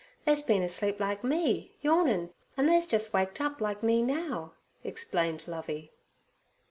They's been asleep like me,' yawning, 'and they's jus' waked up like me now,' explained Lovey.